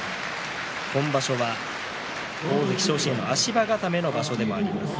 今場所は大関昇進の足場固めの場所でもあります